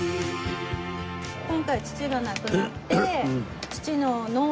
今回父が亡くなって。